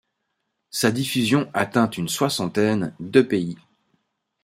Sa diffusion atteint une soixantaine de pays.